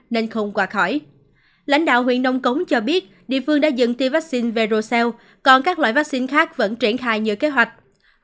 địa phương đã dựng tiêm vaccine verocell còn các loại vaccine khác vẫn triển khai như kế hoạch